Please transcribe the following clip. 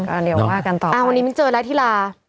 อ่าวันนี้มึงเจอและที่ลา